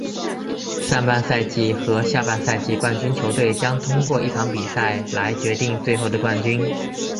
上半赛季和下半赛季冠军球队将通过一场比赛来决定最后的冠军。